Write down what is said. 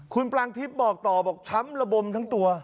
คุณปรางทิพย์บอกต่อบอกช้ำระบมทั้งตัว